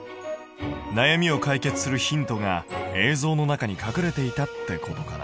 なやみを解決するヒントが映像の中に隠れていたってことかな？